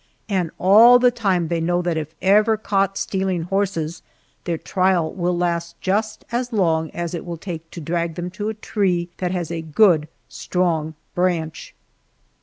And all the time they know that if ever caught stealing horses, their trial will last just as long as it will take to drag them to a tree that has a good strong branch.